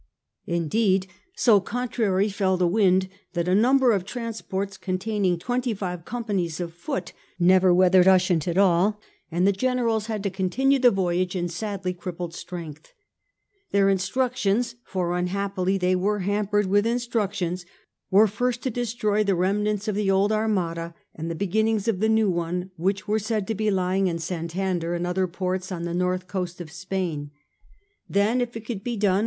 Indeed so contrary fell the wind that a number of transports containing twenty five companies of foot never weathered Ushant at all, and the generals had to continue the voyage in sadly crippled strength. Their instructions — for unhappily they were hampered with instructions — were first to destroy the remnants of the old Armada and the beginnings of the new one which were said to be lying in Santander and other ports on the north coast of Spain; then, if it could be done i8o SIR FRANCIS DRAKE chap.